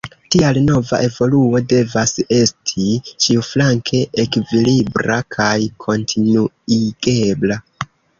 Tial nova evoluo devas esti ĉiuflanke ekvilibra kaj kontinuigebla.